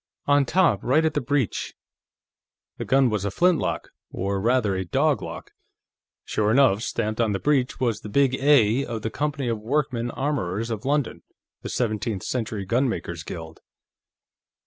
"On top, right at the breech." The gun was a flintlock, or rather, a dog lock; sure enough, stamped on the breech was the big "A" of the Company of Workmen Armorers of London, the seventeenth century gunmakers' guild.